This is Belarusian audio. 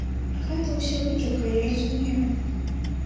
Гэта ўсё лірыка, я разумею.